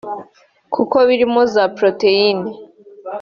kuko birimo za proteins